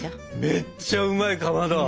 めっちゃうまいかまど。